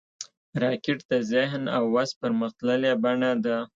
راکټ د ذهن او وس پرمختللې بڼه ده